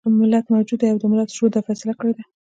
ملت موجود دی او د ملت شعور دا فيصله کړې ده.